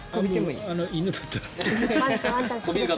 犬だったら。